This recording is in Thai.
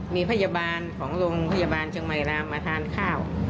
มีพยาบาลของโรงพยาบาลเชียงใหม่รามมาทานข้าว